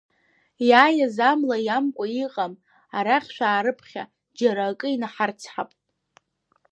Иааиз амла иамкуа иҟам, арахь шәаарыԥхьа, џьара акы инаҳарцҳап!